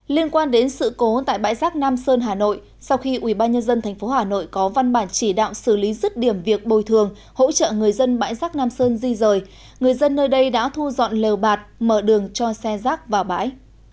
liên quan đến sự cố tại bãi rác nam sơn hà nội sau khi ubnd tp hà nội có văn bản chỉ đạo xử lý rứt điểm việc bồi thường hỗ trợ người dân bãi rác nam sơn di rời người dân nơi đây đã thu dọn lều bạt mở đường cho xe rác vào bãi